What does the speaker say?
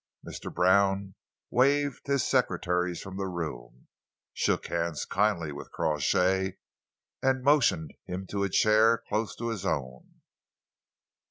Mr. Brown waved his secretaries from the room, shook hands kindly with Crawshay and motioned him to a chair close to his own.